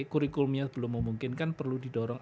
kurikulumnya belum memungkinkan perlu didorong